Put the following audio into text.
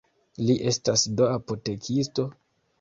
Li estas do apotekisto?